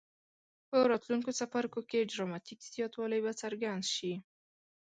په راتلونکو څپرکو کې ډراماټیک زیاتوالی به څرګند شي.